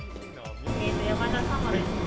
山田様ですね。